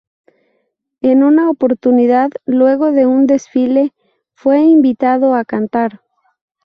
En una oportunidad, luego de un desfile, fue invitado a cantar.